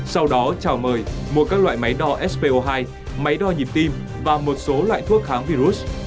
sau đó chào mời mua các loại máy đo spo hai máy đo nhịp tim và một số loại thuốc kháng virus